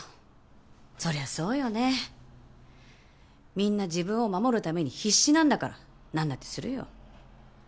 みんな自分を守るために必死なんだから何だってするよ。